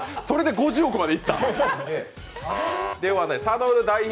それで５０億までいった！？